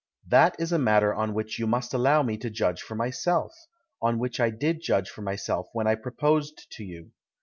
"That is a matter on which you must allow me to judge for myself — on which I did judge for myself when I proposed to you.